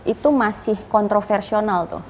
itu masih kontroversional tuh